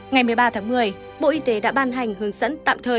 ngày một mươi ba tháng một mươi bộ y tế đã ban hành hướng dẫn tạm thời